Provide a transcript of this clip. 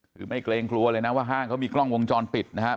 คือไม่เกรงกลัวเลยนะว่าห้างเขามีกล้องวงจรปิดนะครับ